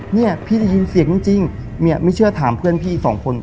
เนี่ยพี่ได้ยินเสียงจริงเนี่ยไม่เชื่อถามเพื่อนพี่สองคน